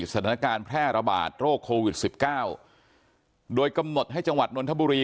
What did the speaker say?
สถานการณ์แพร่ระบาดโรคโควิด๑๙โดยกำหนดให้จังหวัดนนทบุรี